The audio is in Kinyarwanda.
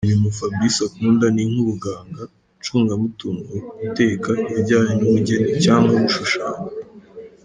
Imirimo Fabrice akunda ni nk’ubuganga, icunga mutungo, guteka, ibijyanye n’ubugeni cyangwa gushushanya.